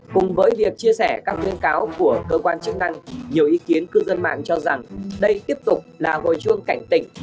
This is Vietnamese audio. cùng với việc chia sẻ các khuyên cáo của cơ quan chức năng nhiều ý kiến cư dân mạng cho rằng đây tiếp tục là hồi chuông cảnh tỉnh